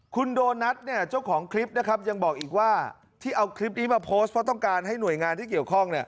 คุณโดนัทเจ้าของคลิปนะครับยังบอกอีกว่าที่เอาคลิปนี้มาโพสต์เพราะต้องการให้หน่วยงานที่เกี่ยวข้อง